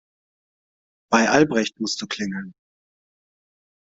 Bei Albrecht musst du klingeln.